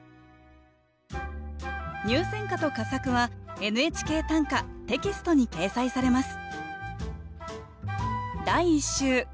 入選歌と佳作は「ＮＨＫ短歌」テキストに掲載されます